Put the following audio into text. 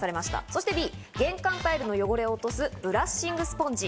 そしてＢ、玄関タイルの汚れを落とすブラッシングスポンジ。